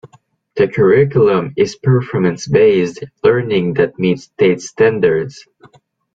The curriculum is performance-based learning that meets state standards.